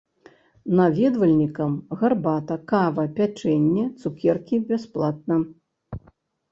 Наведвальнікам гарбата, кава, пячэнне, цукеркі бясплатна.